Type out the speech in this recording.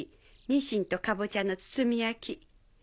ニシンとカボチャの包み焼き。